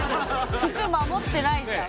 服守ってないじゃん。